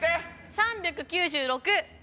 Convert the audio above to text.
３９６！